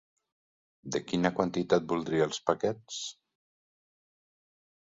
De quina quantitat voldria els paquets?